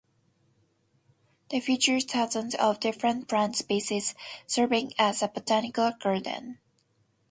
They feature thousands of different plant species, serving as a botanical garden.